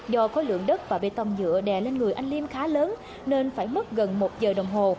do khối lượng đất và bê tông nhựa đè lên người anh liêm khá lớn nên phải mất gần một giờ đồng hồ